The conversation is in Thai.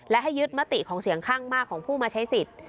และให้ยึดมติของเสียงข้างมากของผู้มาใช้สิทธิ์